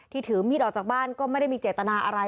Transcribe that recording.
ถือมีดออกจากบ้านก็ไม่ได้มีเจตนาอะไร